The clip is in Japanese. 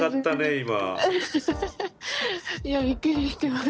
今びっくりしてます。